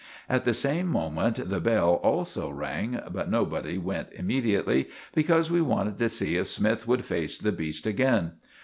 At the same moment the bell also rang, but nobody went immediately, because we wanted to see if Smythe would face the beast again.